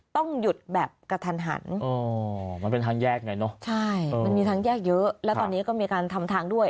ต้องหยุดแบบกระทันหันมันเป็นทางแยกไงเนอะใช่มันมีทางแยกเยอะแล้วตอนนี้ก็มีการทำทางด้วย